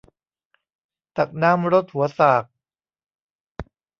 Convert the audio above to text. ตักน้ำรดหัวสาก